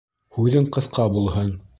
Һүҙең ҡыҫҡа булһын